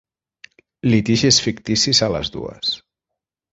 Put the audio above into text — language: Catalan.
Litigis ficticis a les dues.